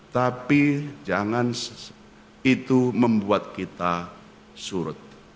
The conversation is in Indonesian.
tapi jangan itu membuat kita surut